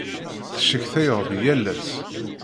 Tecetkayeḍ yal ass.